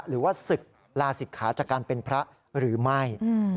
หรือว่าศึกลาศิกขาจากการเป็นพระหรือไม่